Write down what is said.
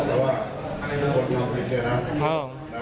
มันไม่เป็นไรหรอก